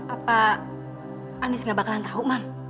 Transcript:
apa anis gak bakalan tahu mam